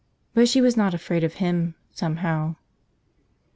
But she was not afraid of him, somehow.